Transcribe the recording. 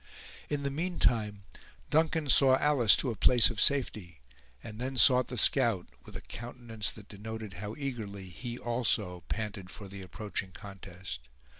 In the meantime, Duncan saw Alice to a place of safety, and then sought the scout, with a countenance that denoted how eagerly he also panted for the approaching contest.